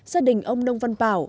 gia đình ông nông văn bảo